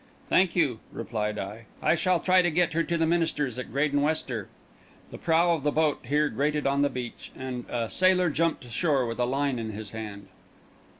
"Thank you," replied I; "I shall try to get her to the minister's at Graden Wester." The prow of the boat here grated on the beach, and a sailor jumped ashore with a line in his hand.